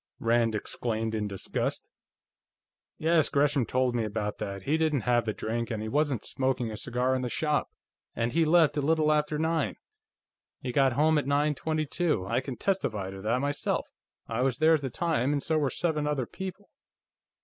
Rand exclaimed in disgust. "Yes, Gresham told me about that. He didn't have the drink, and he wasn't smoking a cigar in the shop, and he left a little after nine. He got home at nine twenty two. I can testify to that, myself; I was there at the time, and so were seven other people."